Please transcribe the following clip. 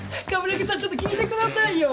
鏑木さんちょっと聞いてくださいよ！